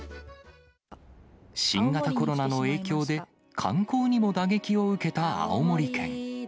新型コロナの影響で、観光にも打撃を受けた青森県。